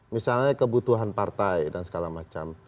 misalnya kebutuhan partai dan segala macam